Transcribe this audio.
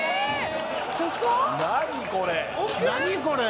何これ！